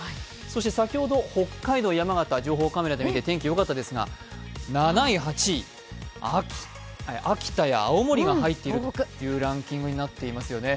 そして先ほど北海道、山形、情報カメラで見て天気よかったですが７位、８位、秋田や青森が入っているというランキングになっていますよね。